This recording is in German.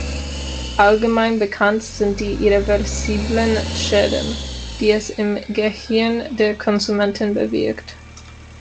Allgemein bekannt sind die irreversiblen Schäden, die es im Gehirn der Konsumenten bewirkt.